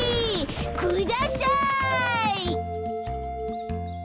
ください！